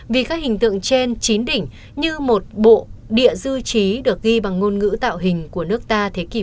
vì các hình tượng trên chín đỉnh như một bộ địa dư trí được ghi bằng ngôn ngữ tạo hình của nước ta